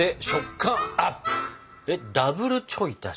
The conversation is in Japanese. ダブルちょい足し？